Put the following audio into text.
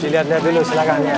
dilihat lihat dulu silakan ya